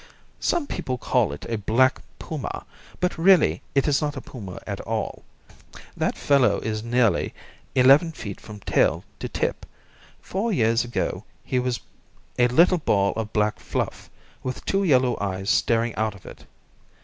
"Some people call it a black puma, but really it is not a puma at all. That fellow is nearly eleven feet from tail to tip. Four years ago he was a little ball of black fluff, with two yellow eyes staring out of it.